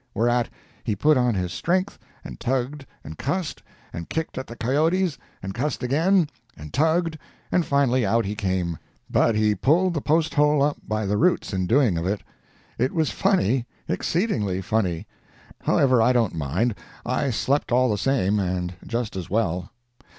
Whereat, he put on his strength, and tugged and cussed, and kicked at the coyotes, and cussed again, and tugged, and finally, out he came—but he pulled the post hole up by the roots in doing of it. It was funny—exceedingly funny. However, I don't mind it; I slept all the same, and just as well.